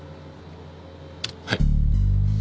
はい。